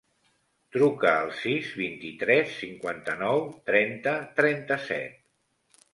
Truca al sis, vint-i-tres, cinquanta-nou, trenta, trenta-set.